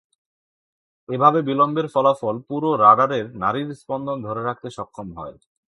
এভাবে বিলম্বের ফলাফল পুরো রাডারের নাড়ীর স্পন্দন ধরে রাখতে সক্ষম হয়।